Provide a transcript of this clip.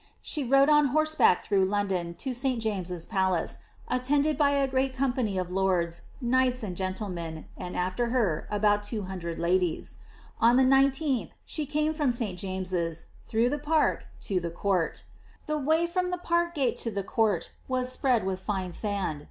She rode on horseback through London to St. James's palace, attended by a great company of lords, knights, and gentlemen, and after her about two hundred ladies. On the 19th, she came from St. James's, through the park, to the court The way from the park gate to the court was spread with fine sand.